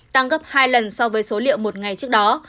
tăng gấp hai lần so với số liệu một ngày trước đó